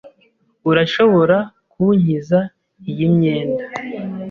Urashobora kunkiza iyi myenda?